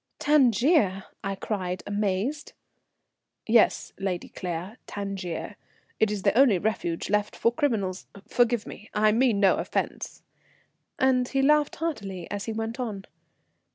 "Tangier!" I cried, amazed. "Yes, Lady Claire, Tangier. It is the only refuge left for criminals forgive me, I mean no offence," and he laughed heartily as he went on.